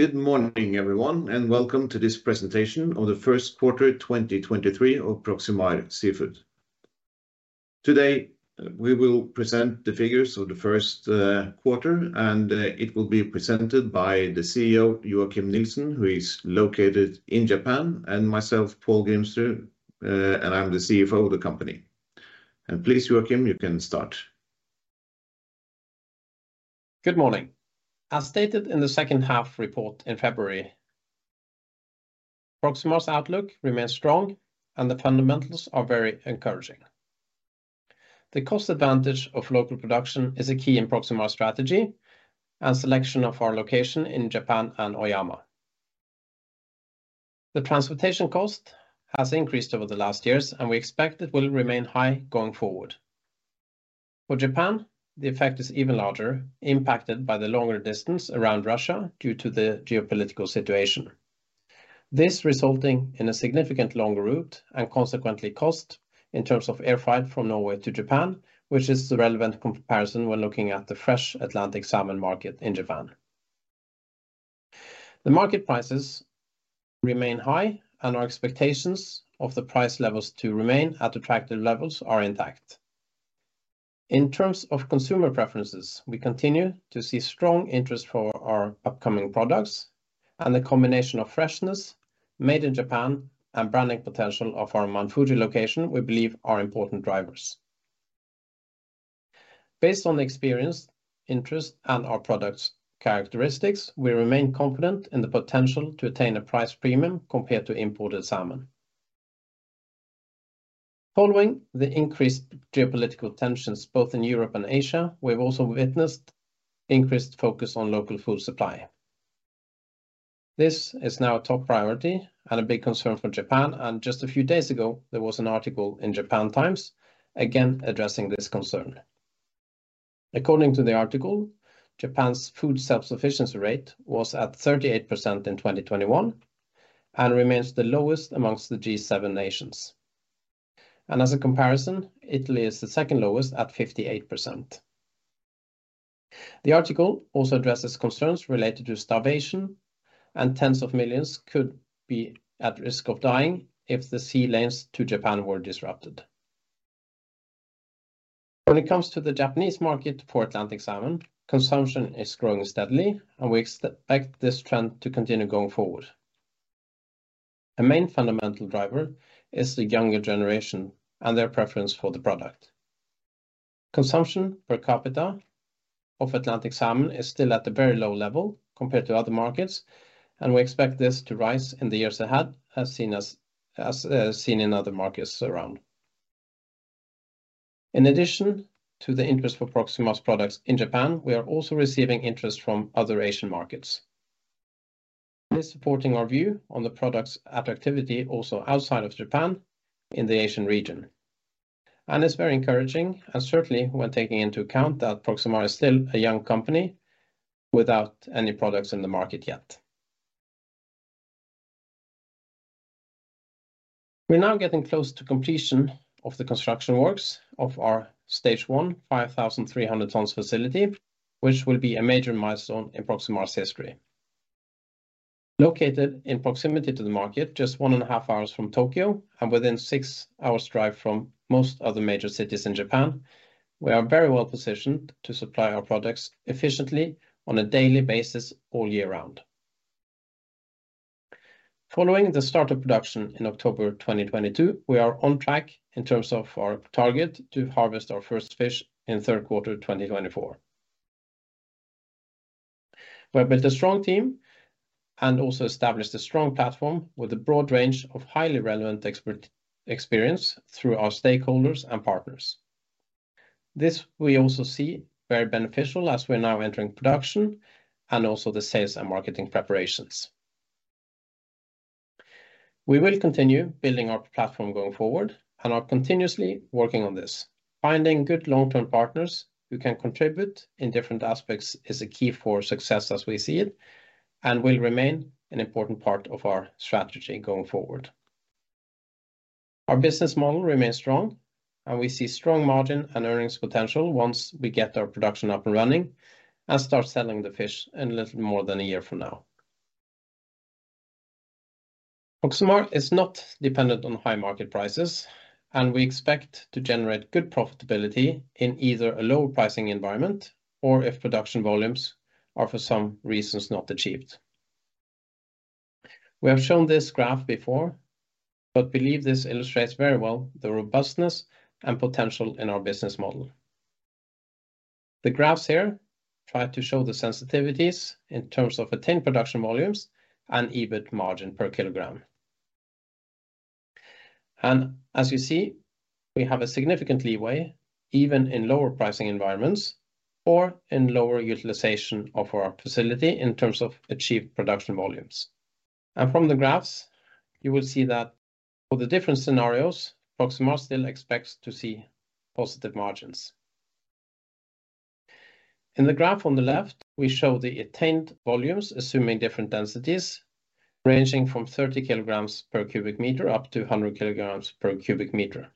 Good morning, everyone, and welcome to this presentation of the first quarter 2023 of Proximar Seafood. Today, we will present the figures of the first quarter, and it will be presented by the CEO, Joachim Nielsen, who is located in Japan, and myself, Pål Grimsrud, and I'm the CFO of the company. Please, Joachim, you can start. Good morning. As stated in the second half report in February, Proximar's outlook remains strong, and the fundamentals are very encouraging. The cost advantage of local production is a key in Proximar's strategy and selection of our location in Japan and Oyama. The transportation cost has increased over the last years, and we expect it will remain high going forward. For Japan, the effect is even larger, impacted by the longer distance around Russia due to the geopolitical situation. This resulting in a significant long route and consequently cost in terms of air freight from Norway to Japan, which is the relevant comparison when looking at the fresh Atlantic salmon market in Japan. The market prices remain high, and our expectations of the price levels to remain at attractive levels are intact. In terms of consumer preferences, we continue to see strong interest for our upcoming products and the combination of freshness made in Japan and branding potential of our Mount Fuji location we believe are important drivers. Based on the experience, interest, and our products characteristics, we remain confident in the potential to attain a price premium compared to imported salmon. Following the increased geopolitical tensions, both in Europe and Asia, we've also witnessed increased focus on local food supply. This is now a top priority and a big concern for Japan, just a few days ago, there was an article in The Japan Times again addressing this concern. According to the article, Japan's food self-sufficiency rate was at 38% in 2021 and remains the lowest amongst the G7 nations. As a comparison, Italy is the second lowest at 58%. The article also addresses concerns related to starvation, tens of millions could be at risk of dying if the sea lanes to Japan were disrupted. When it comes to the Japanese market for Atlantic salmon, consumption is growing steadily, and we expect this trend to continue going forward. A main fundamental driver is the younger generation and their preference for the product. Consumption per capita of Atlantic salmon is still at a very low level compared to other markets, and we expect this to rise in the years ahead, as seen in other markets around. In addition to the interest for Proximar's products in Japan, we are also receiving interest from other Asian markets. This supporting our view on the products' attractivity also outside of Japan in the Asian region. It's very encouraging, and certainly when taking into account that Proximar is still a young company without any products in the market yet. We're now getting close to completion of the construction works of our stage one, 5,300 tons facility, which will be a major milestone in Proximar's history. Located in proximity to the market, just 1.5 hours from Tokyo and within six hours drive from most of the major cities in Japan, we are very well-positioned to supply our products efficiently on a daily basis all year round. Following the start of production in October 2022, we are on track in terms of our target to harvest our first fish in third quarter 2024. We have built a strong team and also established a strong platform with a broad range of highly relevant expert experience through our stakeholders and partners. This we also see very beneficial as we're now entering production and also the sales and marketing preparations. We will continue building our platform going forward and are continuously working on this. Finding good long-term partners who can contribute in different aspects is a key for success as we see it and will remain an important part of our strategy going forward. Our business model remains strong, and we see strong margin and earnings potential once we get our production up and running and start selling the fish in little more than a year from now. Proximar is not dependent on high market prices, and we expect to generate good profitability in either a lower pricing environment or if production volumes are for some reasons not achieved. We have shown this graph before, but believe this illustrates very well the robustness and potential in our business model. The graphs here try to show the sensitivities in terms of attained production volumes and EBIT margin per kilogram. As you see, we have a significant leeway even in lower pricing environments or in lower utilization of our facility in terms of achieved production volumes. From the graphs, you will see that for the different scenarios, Proximar still expects to see positive margins. In the graph on the left, we show the attained volumes, assuming different densities ranging from 30 kilograms per cubic meter up to 100 kilograms per cubic meter.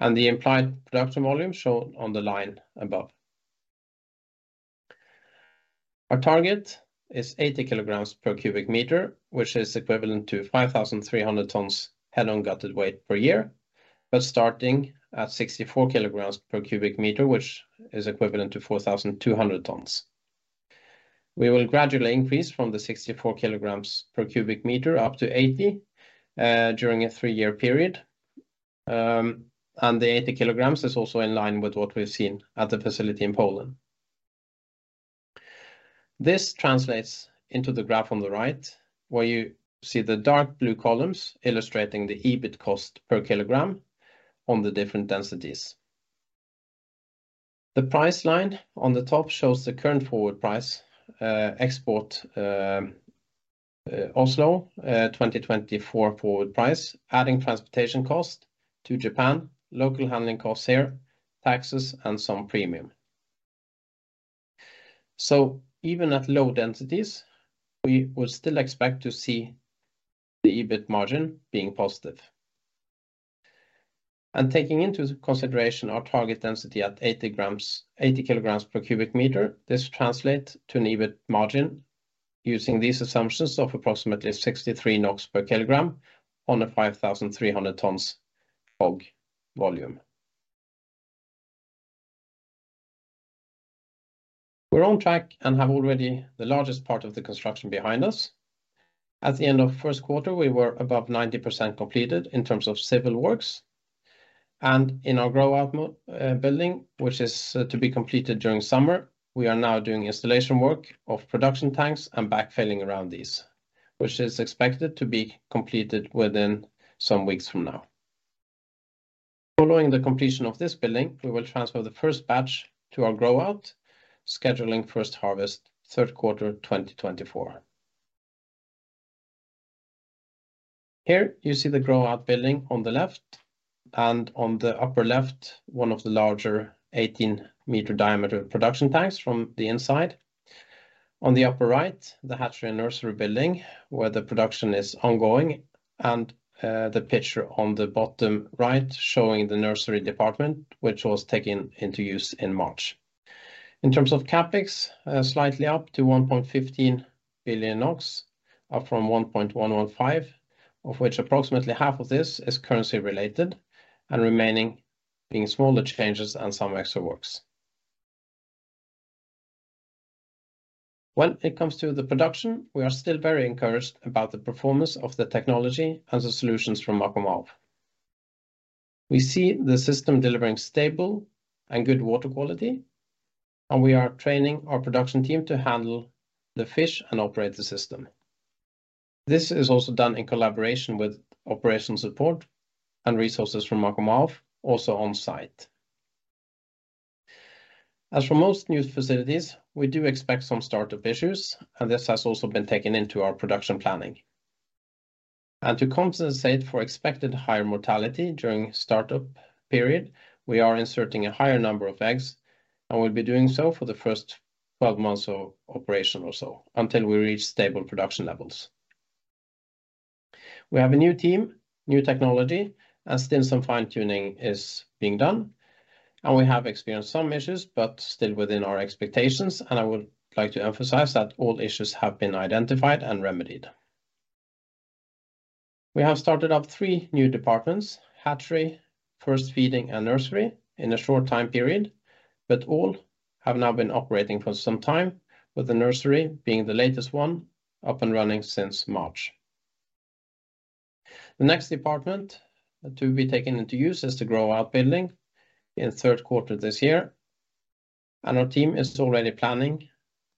The implied production volume shown on the line above. Our target is 80 kilograms per cubic meter, which is equivalent to 5,300 tons head-on-gutted weight per year, but starting at 64 kilograms per cubic meter, which is equivalent to 4,200 tons. We will gradually increase from the 64 kilograms per cubic meter up to 80 during a 3-year period. The 80 kilograms is also in line with what we've seen at the facility in Poland. This translates into the graph on the right, where you see the dark blue columns illustrating the EBIT cost per kilogram on the different densities. The price line on the top shows the current forward price, export, Oslo, 2024 forward price, adding transportation cost to Japan, local handling costs here, taxes, and some premium. Even at low densities, we will still expect to see the EBIT margin being positive. Taking into consideration our target density at 80 kilograms per cubic meter, this translates to an EBIT margin using these assumptions of approximately 63 NOK per kilogram on a 5,300 tons HOG volume. We're on track and have already the largest part of the construction behind us. At the end of Q1, we were above 90% completed in terms of civil works. In our grow-out building, which is to be completed during summer, we are now doing installation work of production tanks and backfilling around these, which is expected to be completed within some weeks from now. Following the completion of this building, we will transfer the first batch to our grow-out, scheduling first harvest Q3, 2024. Here you see the grow-out building on the left, and on the upper left, one of the larger 18-meter diameter production tanks from the inside. On the upper right, the hatchery and nursery building, where the production is ongoing, and the picture on the bottom right showing the nursery department, which was taken into use in March. In terms of CapEx, slightly up to 1.15 billion NOK, up from 1.115 billion, of which approximately half of this is currency related and remaining being smaller changes and some extra works. When it comes to the production, we are still very encouraged about the performance of the technology and the solutions from AKVA group. We see the system delivering stable and good water quality, and we are training our production team to handle the fish and operate the system. This is also done in collaboration with operation support and resources from AKVA group, also on-site. As for most new facilities, we do expect some startup issues. This has also been taken into our production planning. To compensate for expected higher mortality during startup period, we are inserting a higher number of eggs, and we'll be doing so for the first 12 months of operation or so until we reach stable production levels. We have a new team, new technology, and still some fine-tuning is being done. We have experienced some issues, but still within our expectations, and I would like to emphasize that all issues have been identified and remedied. We have started up three new departments, hatchery, first feeding, and nursery, in a short time period. All have now been operating for some time, with the nursery being the latest one up and running since March. The next department to be taken into use is the grow-out building in Q3 this year. Our team is already planning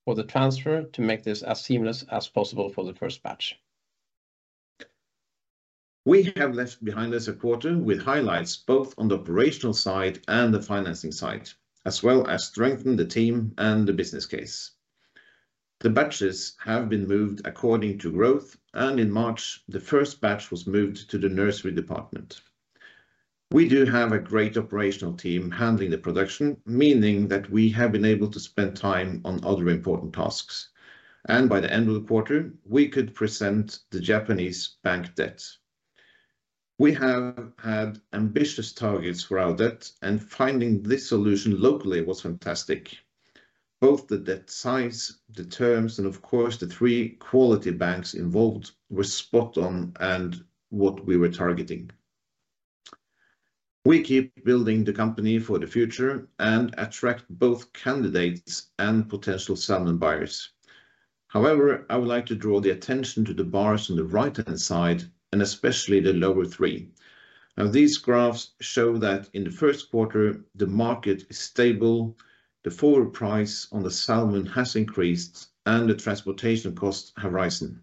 for the transfer to make this as seamless as possible for the first batch. We have left behind us a quarter with highlights both on the operational side and the financing side, as well as strengthen the team and the business case. The batches have been moved according to growth, and in March, the first batch was moved to the nursery department. We do have a great operational team handling the production, meaning that we have been able to spend time on other important tasks. By the end of the quarter, we could present the Japanese bank debt. We have had ambitious targets for our debt, and finding this solution locally was fantastic. Both the debt size, the terms, and of course, the three quality banks involved were spot on and what we were targeting. We keep building the company for the future and attract both candidates and potential salmon buyers. I would like to draw the attention to the bars on the right-hand side and especially the lower three. These graphs show that in the Q1, the market is stable, the forward price on the salmon has increased, and the transportation costs have risen.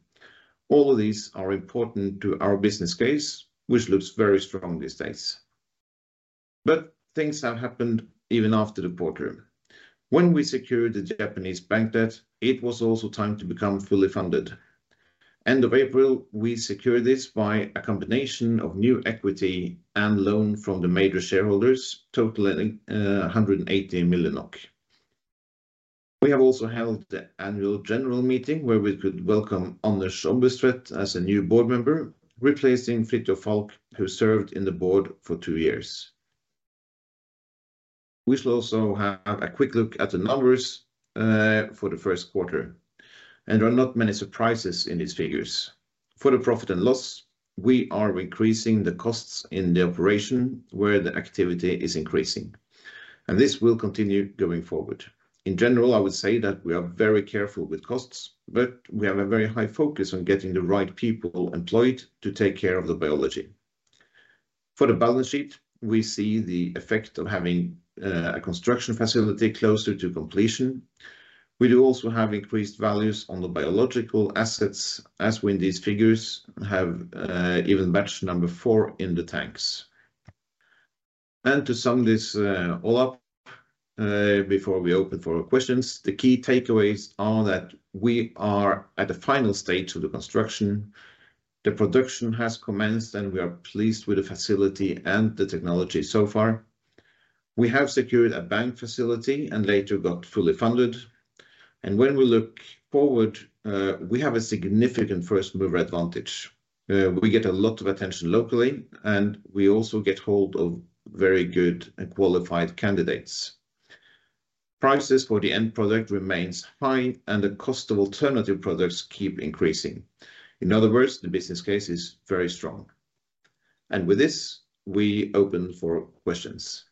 All of these are important to our business case, which looks very strong these days. Things have happened even after the quarter. When we secured the Japanese bank debt, it was also time to become fully funded. End of April, we secured this by a combination of new equity and loan from the major shareholders, totaling 180 million NOK. We have also held the annual general meeting where we could welcome Anders Ombustvedt as a new board member, replacing Fridtjof Falck, who served in the board for two years. We should also have a quick look at the numbers for the first quarter, and there are not many surprises in these figures. For the profit and loss, we are increasing the costs in the operation where the activity is increasing, and this will continue going forward. In general, I would say that we are very careful with costs, but we have a very high focus on getting the right people employed to take care of the biology. For the balance sheet, we see the effect of having a construction facility closer to completion. We do also have increased values on the biological assets, as when these figures have even batch number four in the tanks. To sum this all up, before we open for questions, the key takeaways are that we are at the final stage of the construction. The production has commenced, and we are pleased with the facility and the technology so far. We have secured a bank facility and later got fully funded. When we look forward, we have a significant first-mover advantage. We get a lot of attention locally, and we also get hold of very good qualified candidates. Prices for the end product remains high, and the cost of alternative products keep increasing. In other words, the business case is very strong. With this, we open for questions.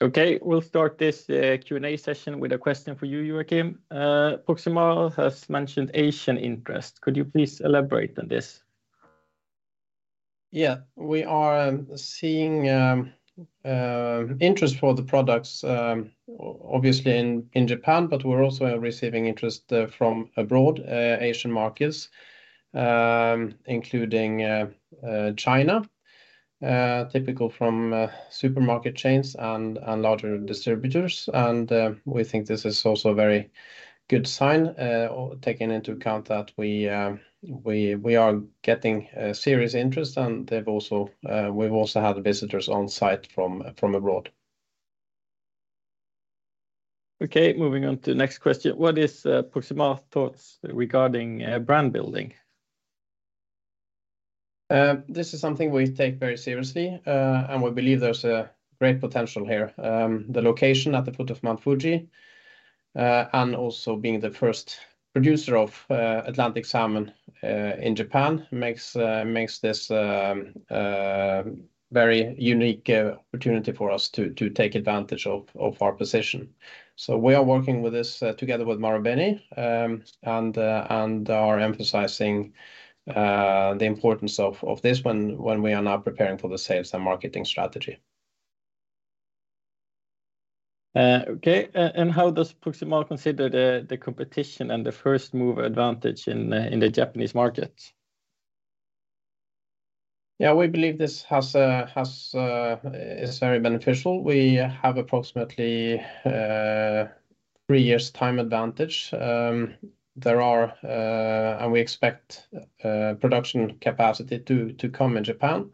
Okay. We'll start this Q&A session with a question for you, Joachim. Proximar has mentioned Asian interest. Could you please elaborate on this? Yeah. We are seeing interest for the products, obviously in Japan, but we're also receiving interest from abroad, Asian markets, including China, typical from supermarket chains and larger distributors. We think this is also a very good sign, taking into account that we are getting serious interest, and we've also had visitors on site from abroad. Okay, moving on to the next question. What is Proximar thoughts regarding brand building? This is something we take very seriously, and we believe there's a great potential here. The location at the foot of Mount Fuji, and also being the first producer of Atlantic salmon in Japan makes this very unique opportunity for us to take advantage of our position. We are working with this together with Marubeni, and are emphasizing the importance of this when we are now preparing for the sales and marketing strategy. Okay. How does Proximar consider the competition and the first-mover advantage in the Japanese market? Yeah, we believe this is very beneficial. We have approximately three years' time advantage. We expect production capacity to come in Japan.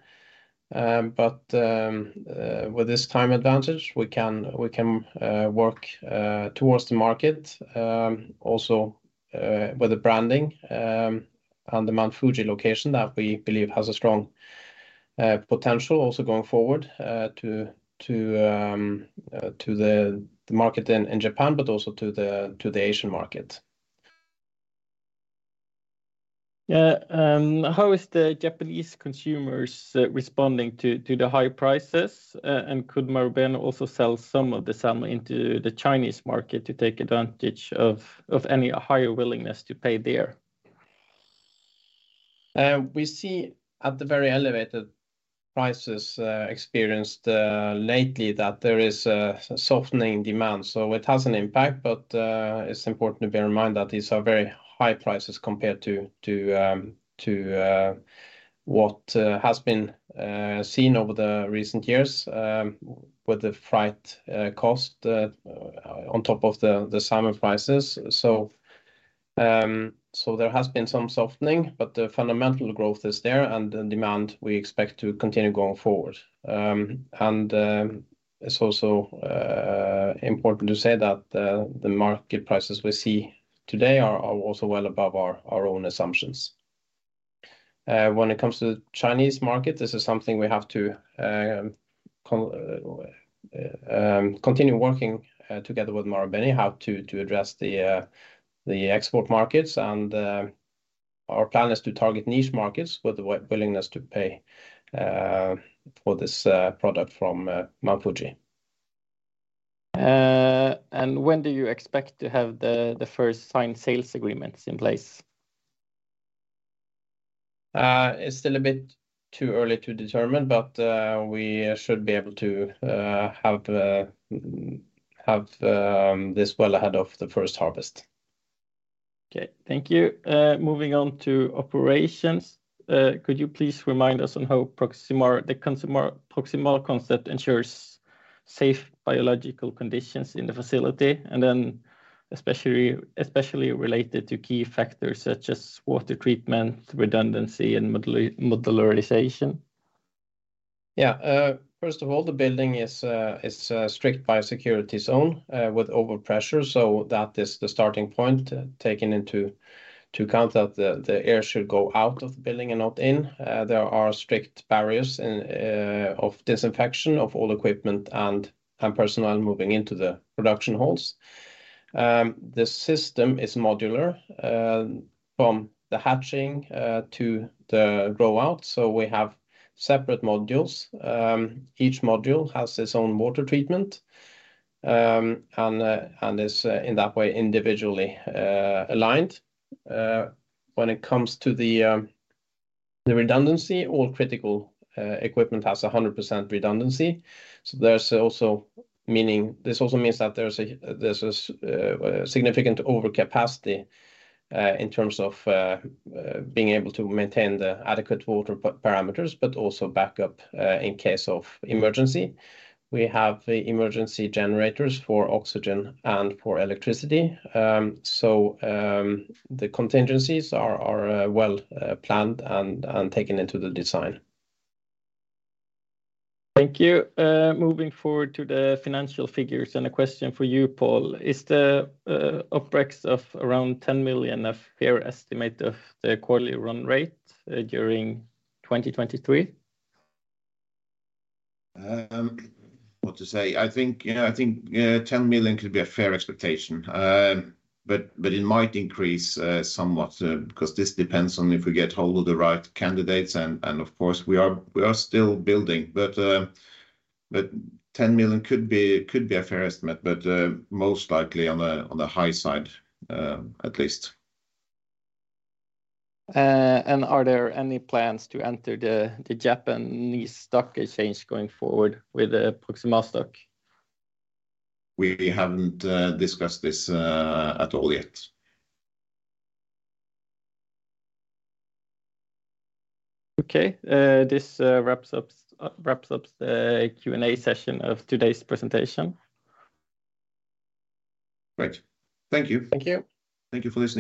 With this time advantage, we can work towards the market, also with the branding, and the Mount Fuji location that we believe has a strong potential also going forward to the market in Japan but also to the Asian market. Yeah. How is the Japanese consumers responding to the high prices, and could Marubeni also sell some of the salmon into the Chinese market to take advantage of any higher willingness to pay there? We see at the very elevated prices experienced lately that there is a softening demand. It has an impact, but it's important to bear in mind that these are very high prices compared to what has been seen over the recent years, with the freight cost on top of the salmon prices. There has been some softening, but the fundamental growth is there, and the demand we expect to continue going forward. It's also important to say that the market prices we see today are also well above our own assumptions. When it comes to the Chinese market, this is something we have to continue working together with Marubeni, how to address the export markets. our plan is to target niche markets with the willingness to pay for this product from Mount Fuji. When do you expect to have the first signed sales agreements in place? It's still a bit too early to determine, but we should be able to have this well ahead of the first harvest. Okay. Thank you. Moving on to operations. Could you please remind us on how Proximar concept ensures safe biological conditions in the facility, and then especially related to key factors such as water treatment, redundancy and modularization? Yeah. First of all, the building is a strict biosecurity zone with overpressure, that is the starting point, taking into account that the air should go out of the building and not in. There are strict barriers and of disinfection of all equipment and personnel moving into the production halls. The system is modular from the hatching to the grow-out. We have separate modules. Each module has its own water treatment and is, in that way, individually aligned. When it comes to the redundancy, all critical equipment has 100% redundancy. This also means that there's a significant overcapacity in terms of being able to maintain the adequate water parameters, but also backup in case of emergency. We have emergency generators for oxygen and for electricity. The contingencies are well planned and taken into the design. Thank you. Moving forward to the financial figures, and a question for you, Pål. Is the OpEx of around 10 million a fair estimate of the quarterly run rate during 2023? What to say? I think, yeah, 10 million could be a fair expectation. But it might increase somewhat because this depends on if we get hold of the right candidates and of course, we are still building. But 10 million could be a fair estimate, but most likely on the high side, at least. Are there any plans to enter the Japanese stock exchange going forward with the Proximar stock? We haven't discussed this at all yet. Okay. This wraps up the Q&A session of today's presentation. Great. Thank you. Thank you. Thank you for listening.